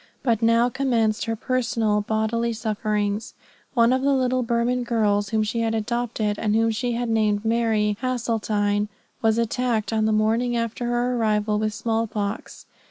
But now commenced her personal, bodily sufferings. One of the little Burman girls whom she had adopted, and whom she had named Mary Hasseltine, was attacked on the morning after her arrival with small pox.